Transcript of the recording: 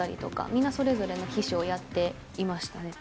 みんな、それぞれの秘書をやっていましたね。